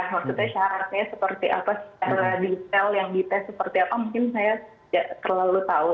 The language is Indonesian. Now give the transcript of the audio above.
maksudnya syaratnya seperti apa setelah di tel yang di tes seperti apa mungkin saya tidak terlalu tahu